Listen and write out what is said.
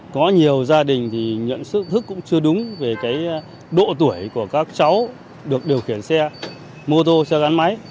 có nhiều gia đình thì nhận sức thức cũng chưa đúng về độ tuổi của các cháu được điều khiển xe mô tô xe gắn máy